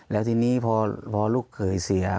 แล้วทีนี้พอลูกเขยเสีย